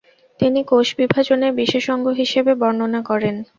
তিনি কোষ বিভাজনের বিশেষ অঙ্গ হিসাবে বর্ণনা করেন।